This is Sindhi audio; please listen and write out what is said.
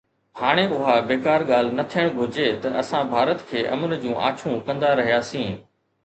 هاڻي اها بيڪار ڳالهه نه ٿيڻ گهرجي ته اسان ڀارت کي امن جون آڇون ڪندا رهياسين.